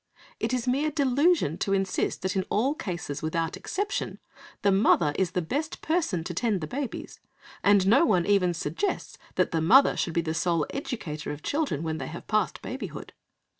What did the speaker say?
It is mere delusion to insist that in all cases, without exception, the mother is the best person to tend the babies, and no one even suggests that the mother should be the sole educator of children when they have passed babyhood.